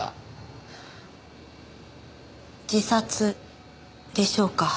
自殺でしょうか？